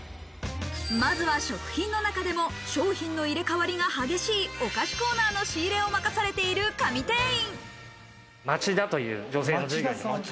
まずは食品の中でも商品の入れ替わりが最も激しい、お菓子コーナーの仕入れを任されている神店員。